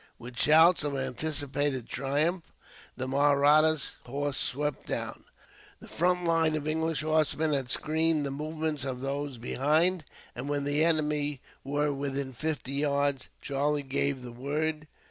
With shouts of anticipated triumph, the Mahratta horse swept down. The front line of English horsemen had screened the movements of those behind, and when the enemy were within fifty yards, Charlie gave the word.